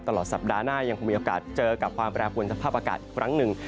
ตลอดสัปดาห์หน้ายังคงมีโอกาสเจอกับความแปรปวนสภาพอากาศอีกครั้งหนึ่ง